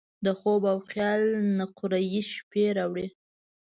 د خوب او خیال نقرهيي شپې راوړي